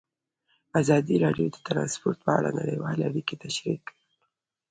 ازادي راډیو د ترانسپورټ په اړه نړیوالې اړیکې تشریح کړي.